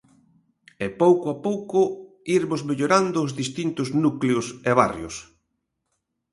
E pouco a pouco irmos mellorando os distintos núcleos e barrios.